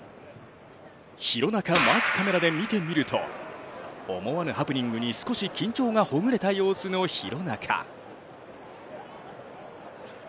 廣中マークカメラで見てみると思わぬハプニングに少し緊張がほぐれた様子の廣中。